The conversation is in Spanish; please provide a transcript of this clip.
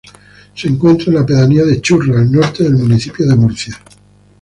Se encuentra en la pedanía de Churra, al norte del municipio de Murcia.